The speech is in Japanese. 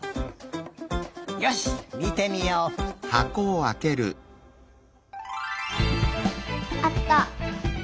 よしみてみよう。あった。